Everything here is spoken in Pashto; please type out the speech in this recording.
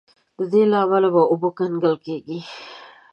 د دې له امله به اوبه کنګل کیږي.